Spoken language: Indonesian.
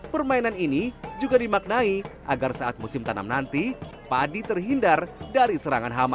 permainan ini juga dimaknai agar saat musim tanam nanti padi terhindar dari serangan hama